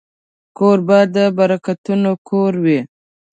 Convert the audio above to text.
کوربه د برکتونو کور وي.